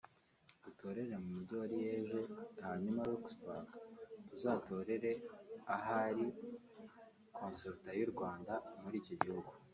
dutorere no mu mujyi wa Liège hanyuma Luxembourg tuzatorera ahari Consulat y’u Rwanda muri icyo gihugu